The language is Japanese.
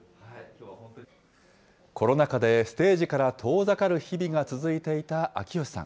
コロナ禍でステージから遠ざかる日々が続いていた秋吉さん。